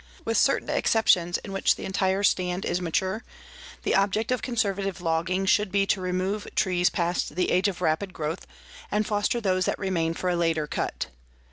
With certain exceptions in which the entire stand is mature, the object of conservative logging should be to remove trees past the age of rapid growth and foster those that remain for a later cut.